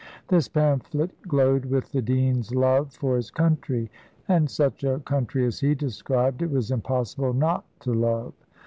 This pamphlet glowed with the dean's love for his country; and such a country as he described, it was impossible not to love.